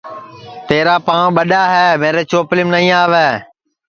تیرا پانٚو ٻڈؔا ہے میرے چوپلیم نائی آوے